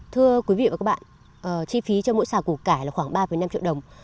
thưa quý vị và các bạn chi phí cho mỗi xà củ cải là khoảng ba năm triệu đồng